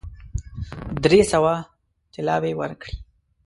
درې سوه طلاوي ورکړې.